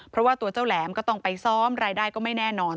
เพราะว่าตัวเจ้าแหลมก็ต้องไปซ้อมรายได้ก็ไม่แน่นอน